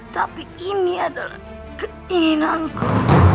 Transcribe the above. tapi ini adalah keinginanku